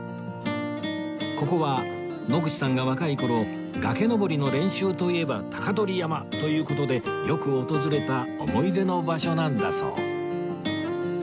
ここは野口さんが若い頃崖登りの練習といえば鷹取山という事でよく訪れた思い出の場所なんだそう